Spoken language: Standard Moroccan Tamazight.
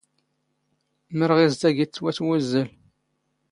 ⵎⵔⵖⵉⵣⵜ ⴰ ⴳ ⵉⵜⵜⵡⴰⵜ ⵡⵓⵣⵣⴰⵍ